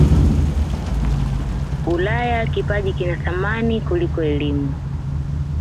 ulaya kipaji kina thamani kuliko elimu